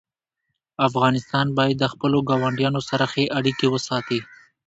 افغانستان باید د خپلو ګاونډیانو سره ښې اړیکې وساتي.